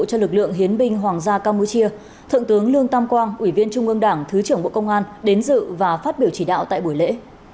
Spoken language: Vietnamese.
cho lực lượng hiến binh hoàng gia campuchia thượng tướng lương tam quang ủy viên trung ương đảng thứ trưởng bộ công an đến dự và phát biểu chỉ đạo tại buổi lễ